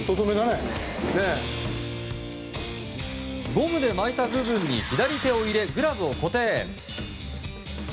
ゴムで巻いた部分に左手を入れ、グラブを固定。